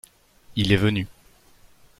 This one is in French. Il est venu.